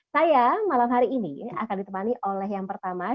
saya malam hari ini akan ditemani oleh yang pertama